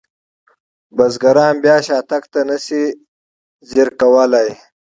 بزګران بیا شاتګ ته نشي ځیر کولی.